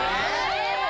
えっ⁉